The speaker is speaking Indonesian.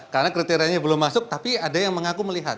karena kriterianya belum masuk tapi ada yang mengaku melihat